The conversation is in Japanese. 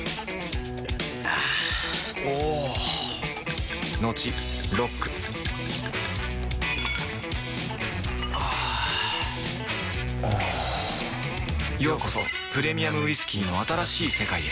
あぁおぉトクトクあぁおぉようこそプレミアムウイスキーの新しい世界へ